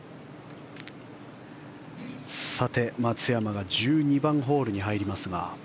さて、松山が１２番ホールに入りますが。